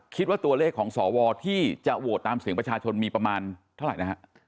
คิดว่าตัวเลขของสวที่จะโหวตตามเสียงประชาชนมีประมาณเท่าไหร่นะฮะ